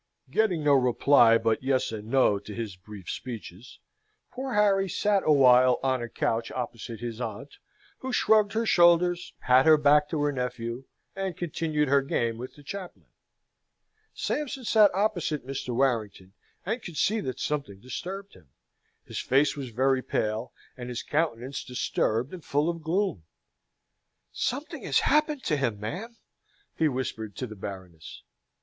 Getting no reply but Yes and No to his brief speeches, poor Harry sat a while on a couch opposite his aunt, who shrugged her shoulders, had her back to her nephew, and continued her game with the chaplain. Sampson sat opposite Mr. Warrington, and could see that something disturbed him. His face was very pale, and his countenance disturbed and full of gloom. "Something has happened to him, ma'am," he whispered to the Baroness.